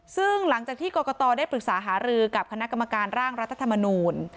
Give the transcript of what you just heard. ซึ่งหลังจากที่กรกตได้ปรึกษาหารือกับคณะกรรมการร่างรัฐธรรมนูล